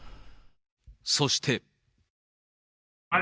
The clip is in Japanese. そして。